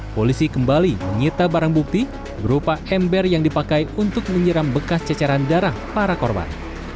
polisi kembali menyita barang bukti berupa ember yang dipakai untuk menyiram bekas ceceran darah para korban